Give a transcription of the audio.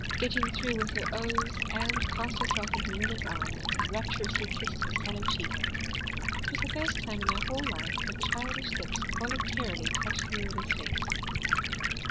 Getting through with her "ohs" Anne cast herself into Marilla's arms and rapturously kissed her sallow cheek. It was the first time in her whole life that childish lips had voluntarily touched Marilla's face.